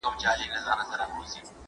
ټول انسانان د خدای مخلوق دي.